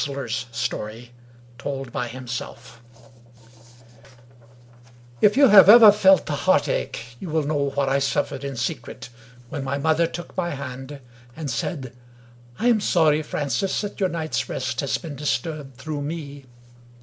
241 English Mystery Stories IX If you have ever felt the heartache, you will know what I suffered in secret when my mother took my hand, and said, " I am sorry, Francis, that your night's rest has been disturbed through me."